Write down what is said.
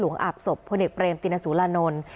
หลวงอับศพพลปเกมตินศูลานนท์